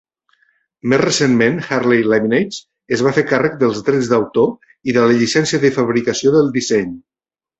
Més recentment, Hartley Laminates es va fer càrrec dels drets d'autor i de la llicència de fabricació del disseny.